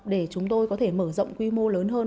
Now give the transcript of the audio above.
để chúng tôi có thể mở rộng quy mô lớn hơn